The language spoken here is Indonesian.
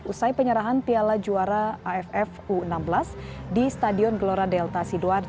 usai penyerahan piala juara aff u enam belas di stadion gelora delta sidoarjo